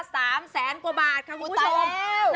สามแสนกว่าบาทค่ะคุณผู้ชม